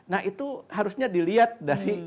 nah itu harusnya dilihat dari